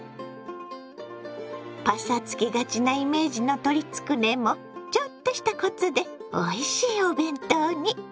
パサつきがちなイメージの鶏つくねもちょっとしたコツでおいしいお弁当に。